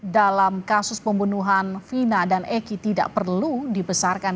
dalam kasus pembunuhan vina dan eki tidak perlu dibesarkan